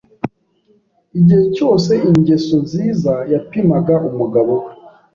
Igihe cyose ingeso nziza yapimaga umugabo we